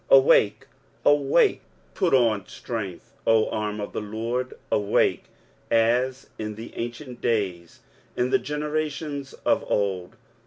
23:051:009 Awake, awake, put on strength, O arm of the LORD; awake, as in the ancient days, in the generations of old.